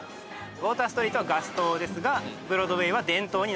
ウォーターストリートはガス灯ですがブロードウェイは電灯になっている。